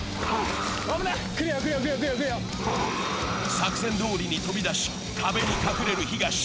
作戦どおりに飛びだし壁に隠れる東。